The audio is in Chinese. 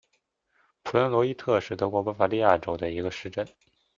普伦罗伊特是德国巴伐利亚州的一个市镇。